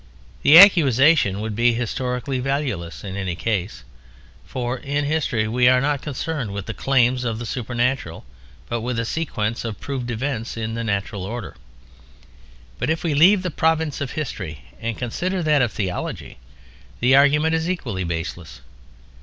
The accusation would be historically valueless in any case, for in history we are not concerned with the claims of the supernatural, but with a sequence of proved events in the natural order. But if we leave the province of history and consider that of theology, the argument is equally baseless.